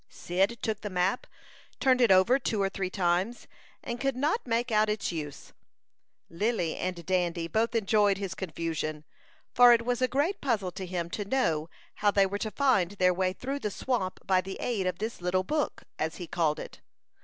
Cyd took the map, turned it over two or three times, and could not make out its use. Lily and Dandy both enjoyed his confusion, for it was a great puzzle to him to know how they were to find their way through the swamp by the aid of this little book, as he called it.